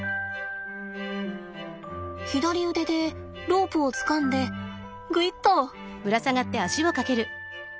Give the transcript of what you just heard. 左腕でロープをつかんでグイッと。